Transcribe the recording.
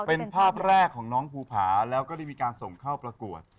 เป็นภาพแรกของน้องภูผาแล้วก็ได้มีการส่งเข้าประกวด